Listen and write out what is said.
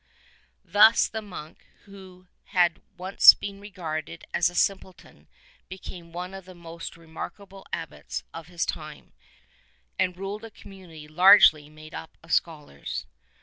Thus the monk who had once been regarded as a simple ton became one of the most remarkable Abbots of his time, and ruled a community largely made up of scholars.